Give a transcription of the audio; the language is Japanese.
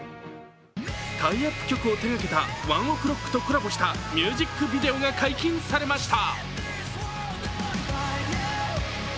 タイアップ曲を手がけたＯＮＥＯＫＲＯＣＫとコラボしたミュージックビデオが解禁されました。